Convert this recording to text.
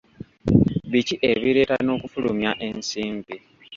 Biki ebireeta n'okufulumya ensimbi?